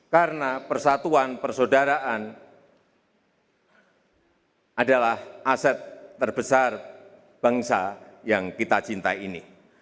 karena persatuan persaudaraan adalah aset terbesar bangsa yang kita cintai ini